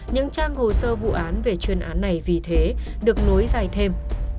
những trang hồ sơ vụ án về chuyên án này vì thế được nối dài thêm